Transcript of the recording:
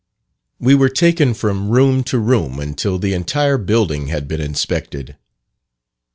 We were taken from room to room, until the entire building had been inspected.